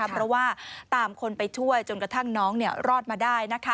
เพราะว่าตามคนไปช่วยจนกระทั่งน้องรอดมาได้